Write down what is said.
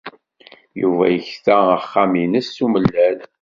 Yuba yekta axxam-nnes s umellal.